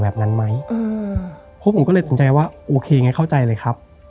แบบนั้นไหมอืมเพราะผมก็เลยสนใจว่าโอเคไงเข้าใจเลยครับ